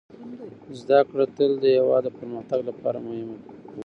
زده کړه تل د هېواد د پرمختګ لپاره مهمه ده.